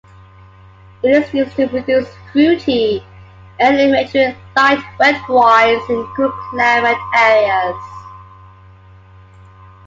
It is used to produce fruity, early maturing light red wines in cool-climate areas.